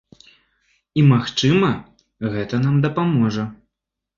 І магчыма, гэта нам дапаможа.